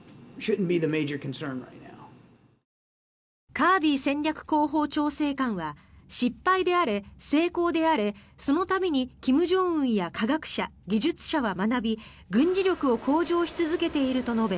カービー戦略広報調整官は失敗であれ、成功であれその度に金正恩や科学者技術者は学び軍事力を向上し続けていると述べ